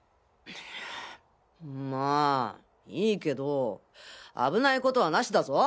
まあいいけど危ないことはなしだぞ。